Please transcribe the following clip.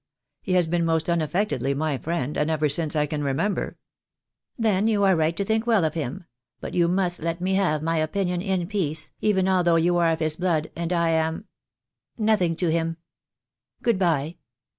He has been most unaffectedly my friend, ever since I can remember." "Then you are right to think well of him — but you must let me have my opinion in peace, even although you are of his blood and I am —— nothing to him. Good bye.